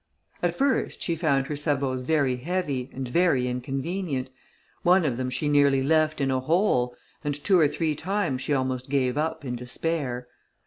At first she found her sabots very heavy, and very inconvenient: one of them she nearly left in a hole, and two or three times she almost gave up in despair.